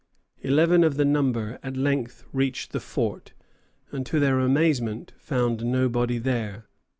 Eleven of the number at length reached the fort, and to their amazement found nobody there.